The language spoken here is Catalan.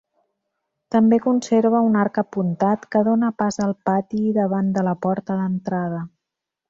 També conserva un arc apuntat que dóna pas al pati davant de la porta d'entrada.